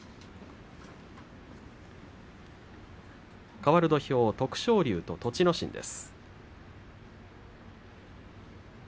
かわる土俵徳勝龍と栃ノ心です。